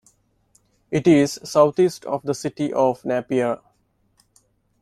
It is south-east of the city of Napier.